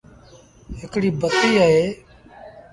هڪڙي بتيٚ اهي۔